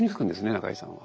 中井さんは。